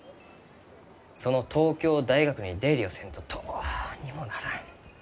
その東京大学に出入りをせんとどうにもならん。